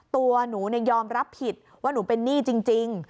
ตัวหนูยอมรับผิดว่าหนูเป็นหนี้จริง